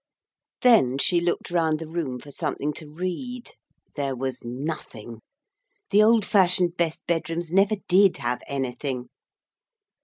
Then she looked round the room for something to read; there was nothing. The old fashioned best bedrooms never did have anything.